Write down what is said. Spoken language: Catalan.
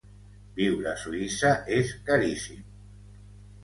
Viure a Suïssa és caríssim.